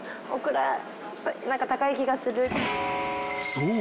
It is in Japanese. ［そう。